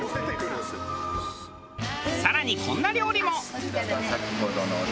更にこんな料理も。